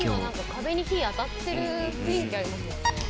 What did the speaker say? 「壁に火当たってる雰囲気ありますよね」